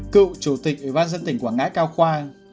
cựu chủ tịch ủy ban dân tỉnh quảng ngãi cao khoa